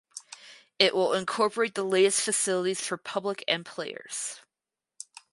It will incorporate the latest facilities for public and players.